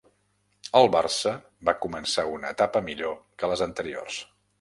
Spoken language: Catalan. El Barça va començar una etapa millor que les anteriors.